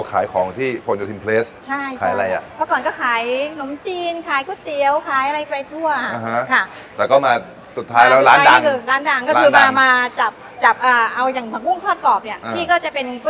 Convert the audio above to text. แต่พอทำปุ๊บคนชอบอืมขายไปกี่ปีแล้วปัจจุบันที่เหรอ